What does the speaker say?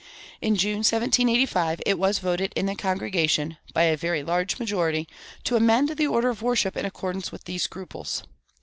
In June, 1785, it was voted in the congregation, by a very large majority, to amend the order of worship in accordance with these scruples.